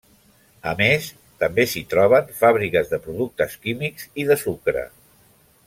A més, també s'hi troben fàbriques de productes químics i de sucre.